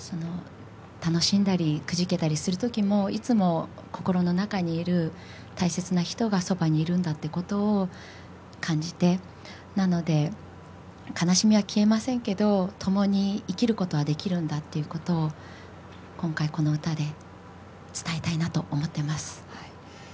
楽しんだりくじけたりするときもいつも心の中にいる大切な人がそばにいるっていうことを感じてなので、悲しみは消えませんけどともに生きることはできるんだっていうことを今回、この歌で伝えたいなと思っています。